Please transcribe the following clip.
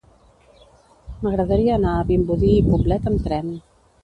M'agradaria anar a Vimbodí i Poblet amb tren.